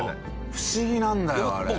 不思議なんだよあれ。